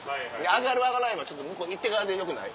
上がる上がらへんは向こうに行ってからでよくない？